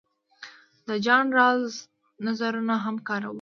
د جان رالز نظرونه هم کاروو.